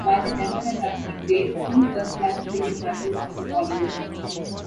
While in Demerara he played two first-class cricket matches for the colony.